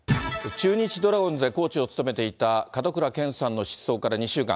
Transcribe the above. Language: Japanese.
中日ドラゴンズでコーチを務めていた門倉健さんの失踪から２週間。